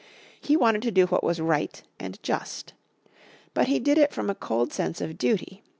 He wanted to do what was right and just. But he did it from a cold sense of duty.